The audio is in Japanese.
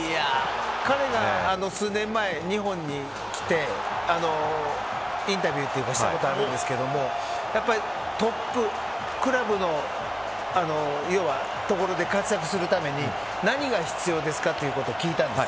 彼が数年前、日本に来てインタビューしたことあるんですけどもトップクラブのところで活躍するために何が必要ですかということを聞いたんです。